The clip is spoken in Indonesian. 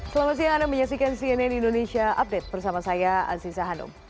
selamat siang anda menyaksikan cnn indonesia update bersama saya aziza hanum